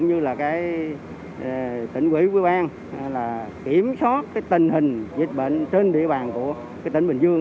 và tỉnh quỹ quý bang kiểm soát tình hình dịch bệnh trên địa bàn của tỉnh bình dương